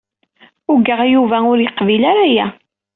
Ugaɣ Yuba ur yeqbil ara aya.